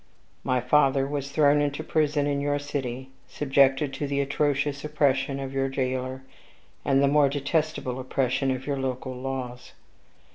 My father was thrown into prison in your city, subjected to the atrocious oppression of your jailer, and the more detestable oppression of your local laws.